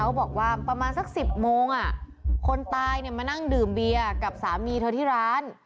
บอกว่าประมาณสัก๑๐โมงคนตายเนี่ยมานั่งดื่มเบียร์กับสามีเธอที่ร้าน